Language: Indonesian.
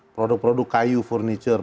produk produk kayu furniture